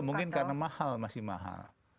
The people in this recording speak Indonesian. mungkin karena mahal masih mahal